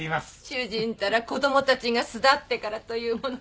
主人ったら子供たちが巣立ってからというもの